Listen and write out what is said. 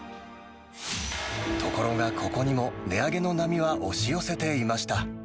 ところが、ここにも値上げの波は押し寄せていました。